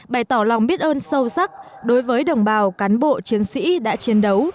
bày tỏ lòng biết ơn sâu sắc đối với đồng bào cán bộ chiến sĩ đã chiến đấu